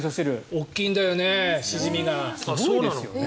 大きいんだよねシジミが。